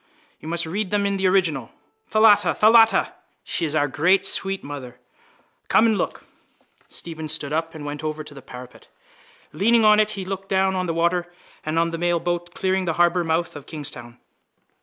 You must read them in the original. Thalatta! Thalatta! She is our great sweet mother. Come and look. Stephen stood up and went over to the parapet. Leaning on it he looked down on the water and on the mailboat clearing the harbourmouth of Kingstown.